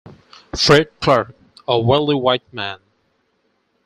Fred Clarke - A wealthy white man.